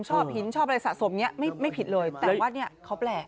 ชอบหินชอบอะไรสะสมไม่ผิดเลยแต่ว่าเขาแปล